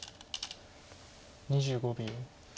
２５秒。